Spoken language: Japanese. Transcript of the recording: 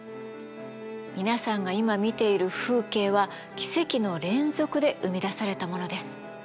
皆さんが今見ている風景は奇跡の連続で生み出されたものです。